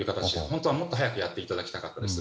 本当はもっと早くやっていただきたかったです。